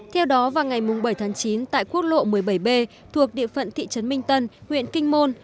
theo đó vào ngày bảy tháng chín tại quốc lộ một mươi bảy b thuộc địa phận thị trấn minh tân huyện kinh môn